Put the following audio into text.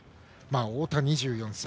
太田、２４歳。